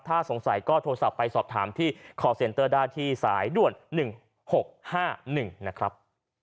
ถ้าสงสัยก็โทรศัพท์ไปสอบถามที่คอร์เซ็นเตอร์ได้ที่สายด่วน๑๖๕๑นะครับ